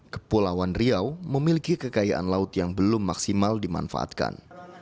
kepulauan riau memiliki kekayaan laut yang belum maksimal dimanfaatkan